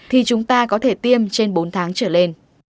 thì chúng ta có thể tiêm trên bốn tháng trở lên